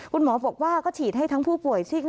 คุณหมอบอกว่าก็ฉีดให้ทั้งผู้ป่วยซิ่ง